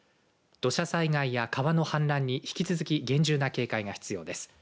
土砂災害や川の氾濫に引き続き厳重な警戒が必要です。